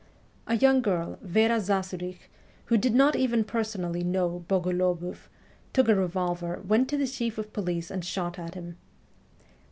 A young girl, Vera Zasulich, who did not even personally know Bogoluboff, took a revolver, went to the chief of police, and shot at him.